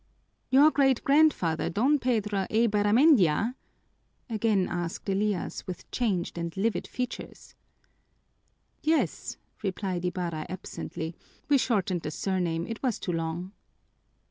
"Your great grandfather Don Pedro Eibarramendia?" again asked Elias with changed and livid features. "Yes," replied Ibarra absently, "we shortened the surname; it was too long."